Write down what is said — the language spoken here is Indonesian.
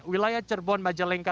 wilayah cerbon majalengka